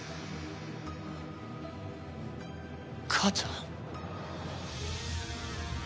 母ちゃん？